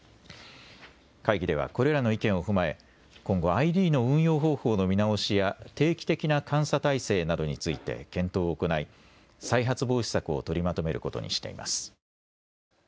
会議ではこれらの意見を踏まえ今後ＩＤの運用方法の見直しや定期的な監査体制などについて検討を行い、再発防止策を取りまとめることにしています。